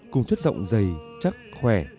cùng chất giọng dày chắc khỏe